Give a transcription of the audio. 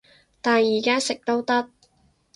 但而家食都得